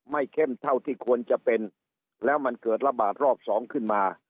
เข้มเท่าที่ควรจะเป็นแล้วมันเกิดระบาดรอบสองขึ้นมา